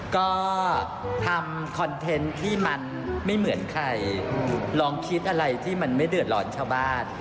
ก็ทำคอนเทนต์ที่มันไม่เหมือนใครลองคิดอะไรที่มันไม่เดือดร้อนชาวบ้าน